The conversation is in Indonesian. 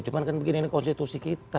cuma kan begini ini konstitusi kita